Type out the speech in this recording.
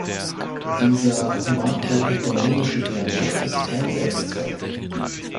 Dieser makroökonomische Dialog ist kein Selbstzweck.